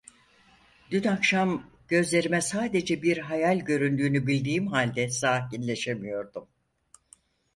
Dün akşam gözlerime sadece bir hayal göründüğünü bildiğim halde sakinleşemiyordum.